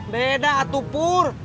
beda atu pur